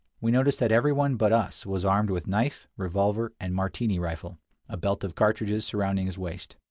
We noticed that every one about us was armed with knife, revolver, and Martini rifle, a belt of cartridges surrounding his waist.